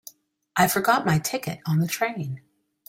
I forgot my ticket on the train.